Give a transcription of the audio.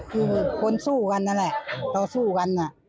คือคนสู้กันนั่นแหละ